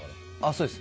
そうです。